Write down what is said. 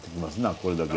これだけ。